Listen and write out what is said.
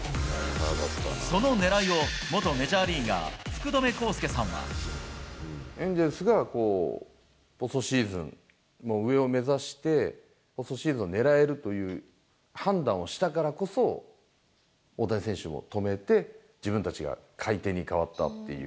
そのねらいを、元メジャーリーガエンゼルスがポストシーズン、上を目指して、ポストシーズン狙えるという判断をしたからこそ、大谷選手を止めて、自分たちが買い手に変わったっていう。